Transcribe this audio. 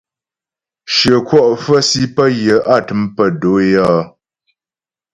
Shyə kwɔ' fə̌ si pə́ yə á təm si pə́ do'o é áa.